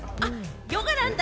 ヨガなんだ！